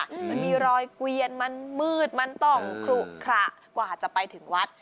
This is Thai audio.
มันมีรอยเกวียนมันมืดมันต้องขลุขระกว่าจะไปถึงวัด